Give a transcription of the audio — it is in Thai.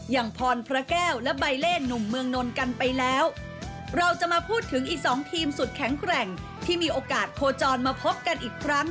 อย่างพรพระแก้วและใบเล่นุ่มเมืองนนท์กันไปแล้วเราจะมาพูดถึงอีกสองทีมสุดแข็งแกร่งที่มีโอกาสโคจรมาพบกันอีกครั้ง